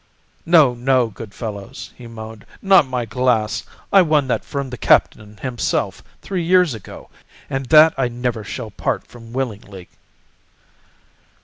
"No, no, good fellows," he moaned, "not my glass. I won that from the Captain himself three years ago, and that I never shall part from willingly."